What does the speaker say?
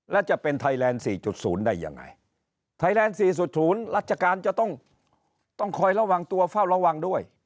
และจะเป็นไทยแลนด์๔๐ได้ยังไงไทยแลนด์๔๐ราชการจะต้องคอยระวังตัวเฝ้าระวังด้วย